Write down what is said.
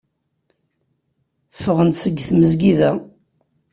Ffɣen-d seg tmezgida.